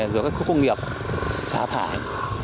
rồi các khu công nghiệp xả thải